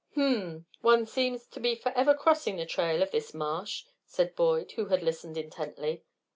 "Hm m! One seems to be forever crossing the trail of this Marsh," said Boyd, who had listened intently.